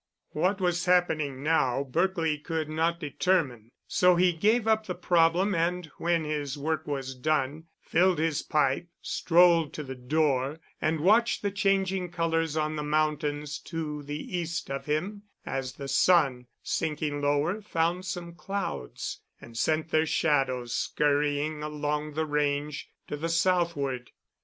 What was happening now, Berkely could not determine, so he gave up the problem and, when his work was done, filled his pipe, strolled to the door, and watched the changing colors on the mountains to the east of him, as the sun, sinking lower, found some clouds and sent their shadows scurrying along the range to the southward.